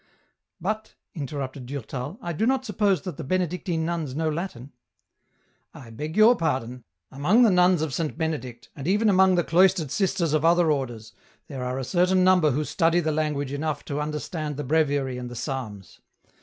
"But," interrupted Durtal, " I do not suppose that the Benedictine nuns know Latin." " I beg your pardon, among the nuns of Samt Benedict, and even among the cloistered sisters of other Orders there are a certain number who study the language enough to understand the Breviary and the Psalms.